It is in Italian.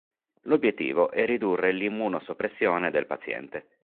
L'obiettivo è ridurre l'immunosoppressione del paziente.